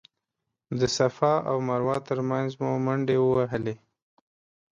د صفا او مروه تر مینځ مو منډې ووهلې.